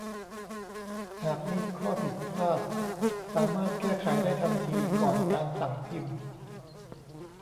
หากมีข้อผิดพลาดสามารถแก้ไขได้ทันทีก่อนการสั่งพิมพ์